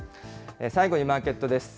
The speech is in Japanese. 最後にマーケットです。